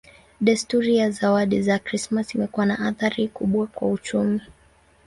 Desturi ya zawadi za Krismasi imekuwa na athari kubwa kwa uchumi.